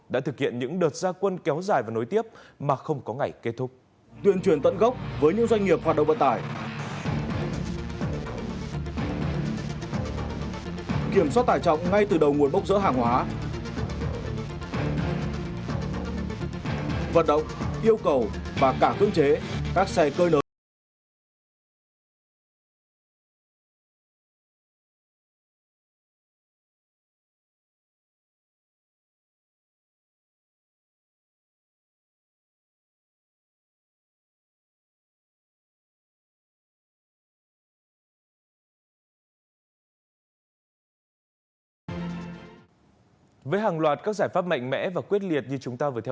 đã thực hiện những đợt gia quân kéo dài và nối tiếp mà không có ngày kết thúc